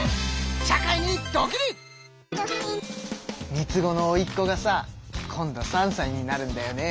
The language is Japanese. ３つ子のおいっ子がさ今度３さいになるんだよね。